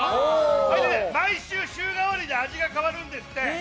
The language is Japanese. これが毎週週替わりで味が変わるんですって。